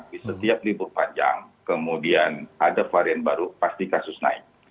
di setiap libur panjang kemudian ada varian baru pasti kasus naik